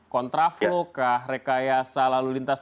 kontraflokah rekayasa lalu lintas